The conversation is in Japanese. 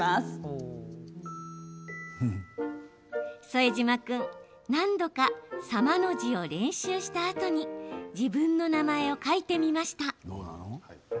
副島君、何度か「様」の字を練習したあとに自分の名前を書いてみました。